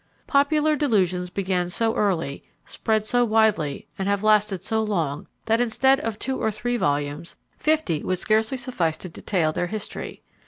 Popular delusions began so early, spread so widely, and have lasted so long, that instead of two or three volumes, fifty would scarcely suffice to detail their history.